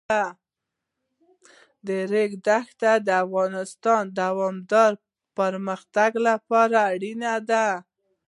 د ریګ دښتې د افغانستان د دوامداره پرمختګ لپاره اړین دي.